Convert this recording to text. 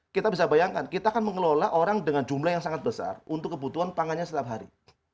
kita bisa bayangkan kita akan mengelola orang dengan jumlah yang sangat besar untuk kebutuhan pangannya setiap hari